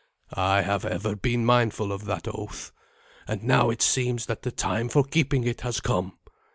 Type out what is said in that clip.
I have ever been mindful of that oath, and now it seems that the time for keeping it has come.